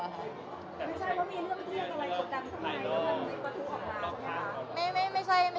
ไม่ใช่ว่ามีเรื่องที่ต้องเรียกอะไรกับครอบครัวไหมมันเป็นสิ่งประสิทธิ์ของเราค่ะ